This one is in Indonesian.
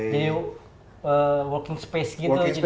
jadi working space gitu